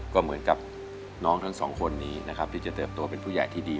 ก็เหมือนกับน้องทั้งสองคนนี้นะครับที่จะเติบโตเป็นผู้ใหญ่ที่ดี